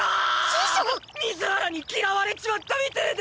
師匠⁉水原に嫌われちまったみてぇで！